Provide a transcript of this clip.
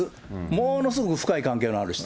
ものすごく深い関係のある人。